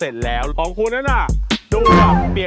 อุ๊ยละเอียดนี่เนี่ย